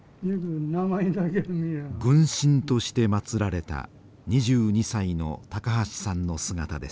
軍神として祭られた２２歳の高橋さんの姿です。